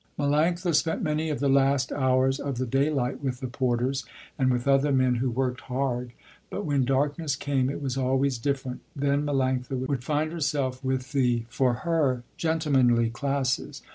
Melanctha spent many of the last hours of the daylight with the porters and with other men who worked hard, but when darkness came it was always different. Then Melanctha would find herself with the, for her, gentlemanly classes.